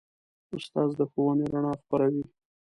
استاد د ښوونې رڼا خپروي.